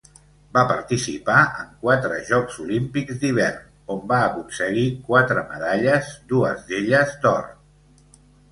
Va participar en quatre Jocs Olímpics d'hivern on va aconseguir quatre medalles, dues d'elles d'or.